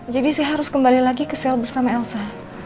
jadi saya harus kembali lagi ke sel bersama elsa